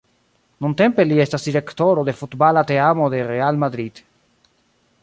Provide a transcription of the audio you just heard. Nuntempe li estas direktoro de futbala teamo de Real Madrid.